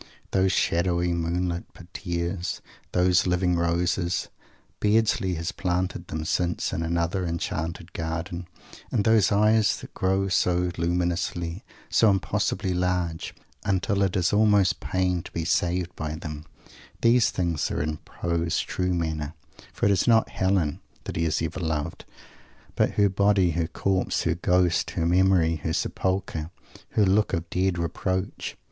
Those shadowy, moon lit "parterres," those living roses Beardsley has planted them since in another "enchanted garden" and those "eyes," that grow so luminously, so impossibly large, until it is almost pain to be "saved" by them these things are in Poe's true manner; for it is not "Helen" that he has ever loved, but her body, her corpse, her ghost, her memory, her sepulchre, her look of dead reproach!